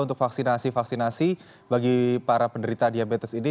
untuk vaksinasi vaksinasi bagi para penderita diabetes ini